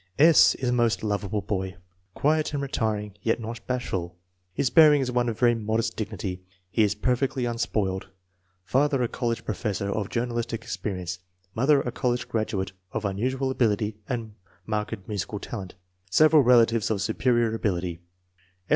S. is a most lovable boy, quiet and retiring yet not bashful. His bearing is one of very modest dignity. He is perfectly unspoiled. Father a college professor of journalistic experience; mother a college graduate of unusual ability and marked musical talent. Several relatives of superior ability, S.